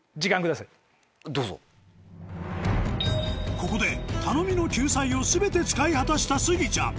ここで頼みの救済を全て使い果たしたスギちゃん